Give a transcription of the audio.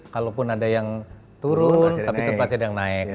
kalaupun ada yang turun tapi tempatnya ada yang naik